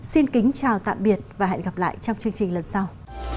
xin kính chào tạm biệt và hẹn gặp lại trong chương trình lần sau